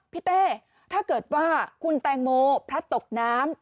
เต้ถ้าเกิดว่าคุณแตงโมพลัดตกน้ำ